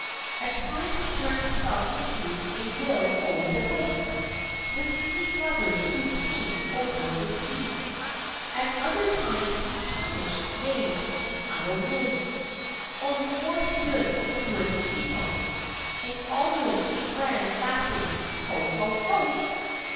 At times he turned himself into a will o' the wisp, misleading lovers who came over the heath; at other times he punished knaves and idle maids, or rewarded good and worthy people. And always he ran laughing, "Ho! Ho! Ho!"